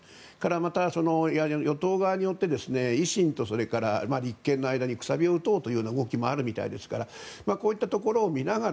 また、与党側で維新と立憲の間に楔を打とうという動きもあるみたいですからこういったところを見ながら